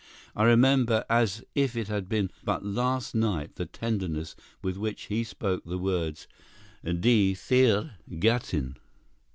I remember as if it had been but last night the tenderness with which he spoke the words die theure Gattin.